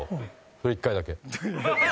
それ１回だけ。